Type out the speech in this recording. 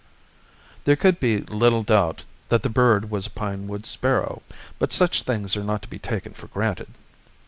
There could be little doubt that the bird was a pine wood sparrow; but such things are not to be taken for granted.